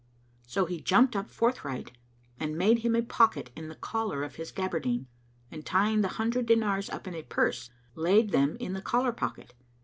So he jumped up forthright and made him a pocket in the collar of his gaberdine and tying the hundred dinars up in a purse, laid them in the collar pocket.